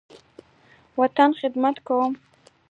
وطن، خدمت کومه